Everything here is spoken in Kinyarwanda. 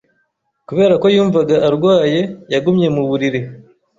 Kubera ko yumvaga arwaye, yagumye mu buriri.